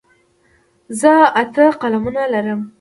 زه اته قلمونه لرم.